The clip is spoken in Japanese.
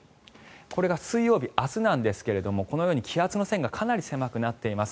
これが水曜日、明日なんですがこのように気圧の線がかなり狭くなっています。